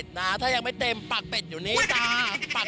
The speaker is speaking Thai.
หลังไปเต็มปากแปดอยู่นี้จ้า